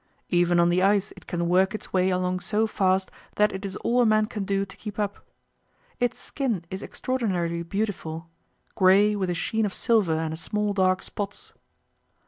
Even on the ice it can work its way along so fast that it is all a man can do to keep up. Its skin is extraordinarily beautiful grey, with a sheen of silver and small dark spots.